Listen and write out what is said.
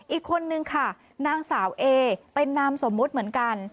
อีกคนนึงค่ะนางสาวเอเป็นนามสมมุติเหมือนกัน